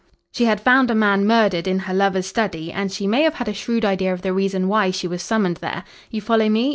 She had found a man murdered in her lover's study and she may have had a shrewd idea of the reason why she was summoned there. You follow me?